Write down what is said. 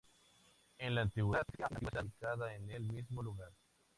En la Antigüedad existía una antigua ciudad ubicada en el mismo lugar.